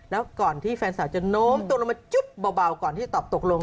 แล้วก่อนที่แฟนสาวจะโน้มตัวลงมาจุ๊บเบาก่อนที่จะตอบตกลง